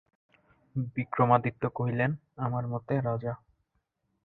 বিক্রমাদিত্য কহিলেন, আমার মতে রাজা।